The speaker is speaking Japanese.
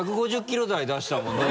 １５０ｋｍ台出したもんね。